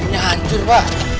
ini hancur pak